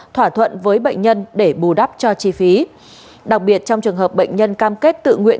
thỏa thuận với bệnh nhân để bù đắp cho chi phí đặc biệt trong trường hợp bệnh nhân cam kết tự nguyện